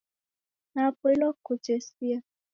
Napoilwa kukutesia